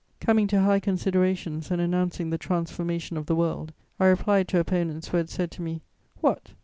Coming to high considerations and announcing the transformation of the world, I replied to opponents who had said to me, "What!